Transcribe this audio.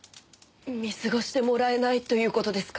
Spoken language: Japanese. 見過ごしてもらえないという事ですか？